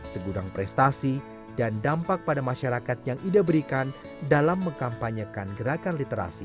segudang prestasi dan dampak pada masyarakat yang ida berikan dalam mengkampanyekan gerakan literasi